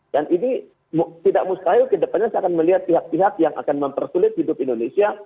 dan ini tidak mustahil kedepannya saya akan melihat pihak pihak yang akan mempersulit hidup indonesia